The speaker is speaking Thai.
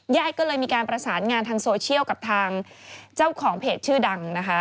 ญาติก็เลยมีการประสานงานทางโซเชียลกับทางเจ้าของเพจชื่อดังนะคะ